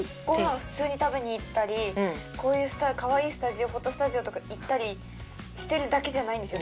普通に食べにいったりこういうかわいいフォトスタジオとか行ったりしてるだけじゃないんですよ